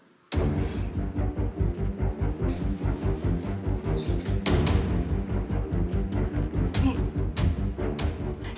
นี่